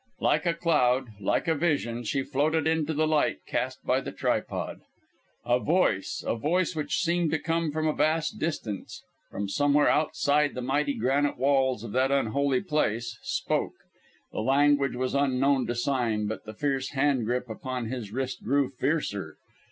Like a cloud, like a vision, she floated into the light cast by the tripod. A voice a voice which seemed to come from a vast distance, from somewhere outside the mighty granite walls of that unholy place spoke. The language was unknown to Sime, but the fierce hand grip upon his wrist grew fiercer.